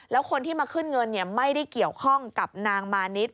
แล้วคนที่มาขึ้นเงินไม่ได้เกี่ยวข้องกับนางมานิด